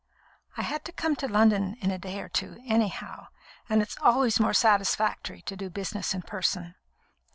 "I had to come to London in a day or two, anyhow, and it's always more satisfactory to do business in person."